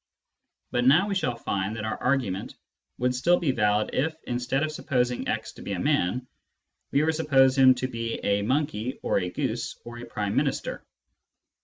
But now we shall find that our argu ment would still be valid if, instead of supposing x to be a man, we were to suppose him to be a monkey or a goose or a Prime Minister.